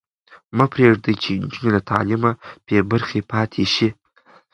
مه پرېږدئ چې نجونې له تعلیمه بې برخې پاتې شي.